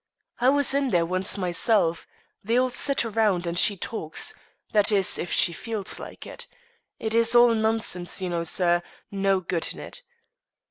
"I was in there once myself. They all sit round and she talks; that is, if she feels like it. It is all nonsense, you know, sir; no good in it."